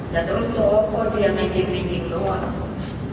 dan terus toko dia ngijin mijin doang